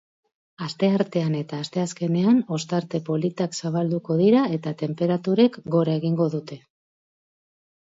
Asteartean eta asteazkenean ostarte politak zabalduko dira eta tenperaturek gora egingo dute.